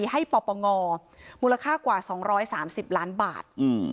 ให้ปปงมูลค่ากว่า๒๓๐ล้านบาท